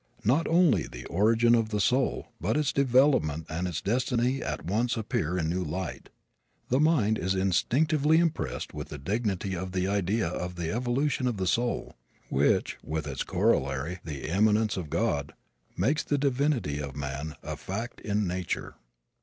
Not only the origin of the soul but its development and its destiny at once appear in a new light. The mind is instinctively impressed with the dignity of the idea of the evolution of the soul, which, with its corollary, the immanence of God, makes the divinity of man a fact in nature.